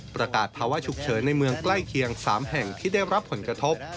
ประกาศภาวะฉุกเฉินในเมืองใกล้เคียง๓แห่งที่ได้รับผลกระทบ